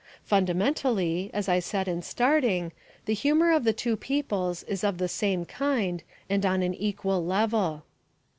Fundamentally, as I said in starting, the humour of the two peoples is of the same kind and on an equal level.